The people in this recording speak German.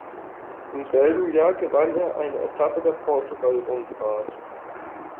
Im selben Jahr gewann er eine Etappe der Portugal-Rundfahrt.